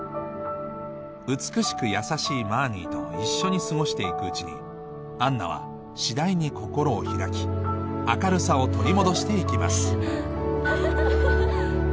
美しく優しいマーニーと一緒に過ごして行くうちに杏奈は次第に心を開き明るさを取り戻して行きますフフフっ。